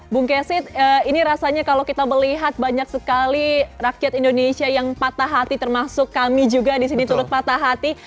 bung kesit ini rasanya kalau kita melihat banyak sekali rakyat indonesia yang patah hati termasuk kami juga disini turut patah hati